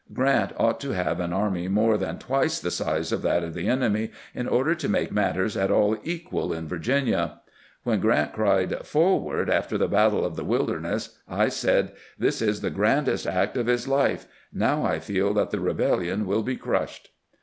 Grant ought to have an army more than twice the size of that of the enemy in order to make matters at all equal in Virginia. When Grrant cried ' Forward !' after the battle of the "Wilderness, I said :' This is the grandest act of his life; now I feel that the rebellion will be crushed.'